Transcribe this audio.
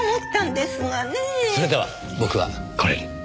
それでは僕はこれで。